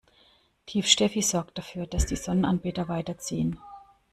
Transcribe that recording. Tief Steffi sorgt dafür, dass die Sonnenanbeter weiterziehen.